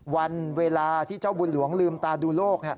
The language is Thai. วันเวลาที่เจ้าบุญหลวงลืมตาดูโลก